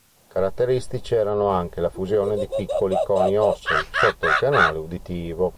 Caratteristici erano anche la fusione di piccoli coni ossei, sotto il canale uditivo.